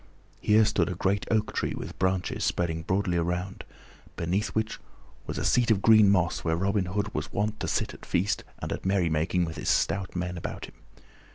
Here stood a great oak tree with branches spreading broadly around, beneath which was a seat of green moss where Robin Hood was wont to sit at feast and at merrymaking with his stout men about him.